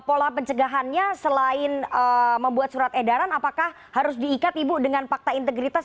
pola pencegahannya selain membuat surat edaran apakah harus diikat ibu dengan fakta integritas